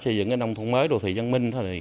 xây dựng cái nông thôn mới đồ thị giang minh thôi